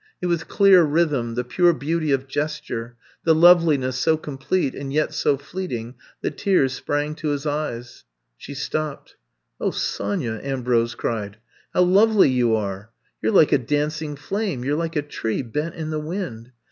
It was clear rhythm, the pure beauty of gesture — the loveliness so complete and yet so fleeting that tears sprang to his eyes. She stopped. '*0h, Sonya,'* Ambrose cried. How lovely you are! You 're like a dancing flame — ^you 're like a tree bent in the wind.